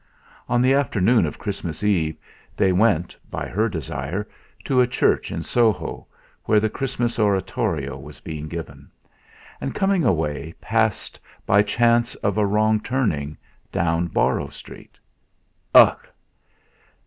On the afternoon of Christmas Eve they went, by her desire, to a church in Soho, where the Christmas Oratorio was being given; and coming away passed, by chance of a wrong turning, down Borrow Street. Ugh!